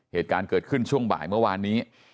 เหตุการณ์เกิดขึ้นช่วงบ่ายเมื่อวานนี้